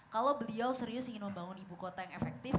kalau beliau serius ingin membangun ibu kota yang efektif